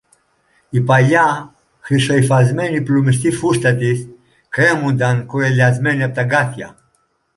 Η παλιά χρυσοϋφασμένη πλουμιστή φούστα της κρέμουνταν κουρελιασμένη από τ' αγκάθια